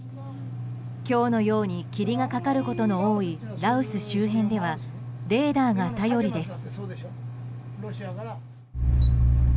今日のように霧がかかることの多い、羅臼周辺ではレーダーが頼りです。